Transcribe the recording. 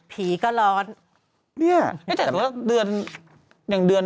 ผีก็ร้อนนี่ไม่เห็นเรื่องว่าเดือน